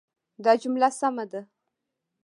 دا جمله سمه ده.